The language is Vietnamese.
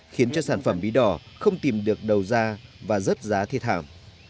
khiến cho sản phẩm bí đỏ không tìm được đầu ra và rớt giá thiệt hẳn